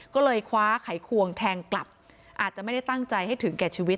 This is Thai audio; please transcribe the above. ก็เลยคว้าไขควงแทงกลับอาจจะไม่ได้ตั้งใจให้ถึงแก่ชีวิต